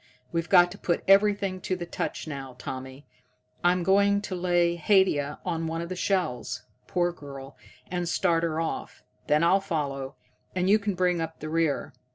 We've got to put everything to the touch now, Tommy. I'm going to lay Haidia on one of the shells, poor girl, and start her off. Then I'll follow, and you can bring up the rear."